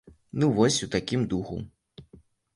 Ну і вось у такім духу.